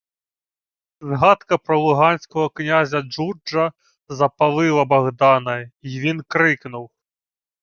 Згадка про луганського князя Джурджа запалила Богдана, й він крикнув: